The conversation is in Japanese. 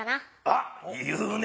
あっ言うね。